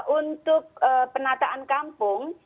untuk penataan kampung